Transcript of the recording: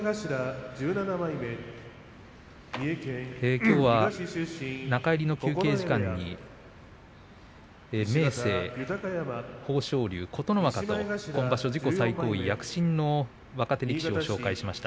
きょうは中入りの休憩時間に明生、豊昇龍、琴ノ若と今場所、自己最高位に躍進の若手力士を紹介しました。